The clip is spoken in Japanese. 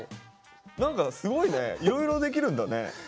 何かすごいねいろいろできるんだね。